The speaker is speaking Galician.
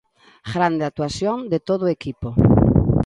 Grande actuación de todo o equipo.